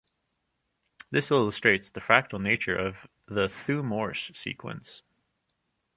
This illustrates the fractal nature of the Thue-Morse Sequence.